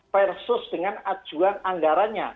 versus dengan ajuan anggaranya